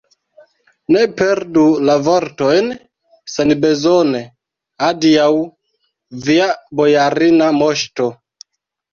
Ne perdu la vortojn senbezone, adiaŭ, via bojarina moŝto!